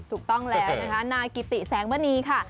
ถูกต้องแล้วนะครับนากิติแสงบรรณีค่ะ